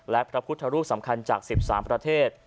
และพระพุทธรูปสำคัญจาก๑๓ประเทศ